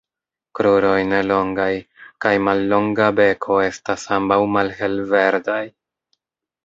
Kruroj -ne longaj- kaj mallonga beko estas ambaŭ malhelverdaj.